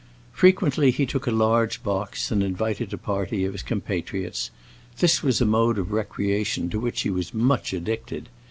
Frequently he took a large box and invited a party of his compatriots; this was a mode of recreation to which he was much addicted.